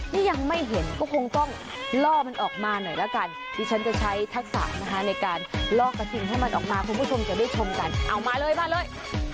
นี่ยังไม่เห็นก็คงต้องล่อมันออกมาหน่อยละกันดิฉันจะใช้ทักษะนะคะในการลอกกระทิงให้มันออกมาคุณผู้ชมจะได้ชมกันเอามาเลยมาเลย